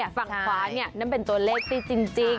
ฝั่งขวานี่เป็นตัวเลขที่จริง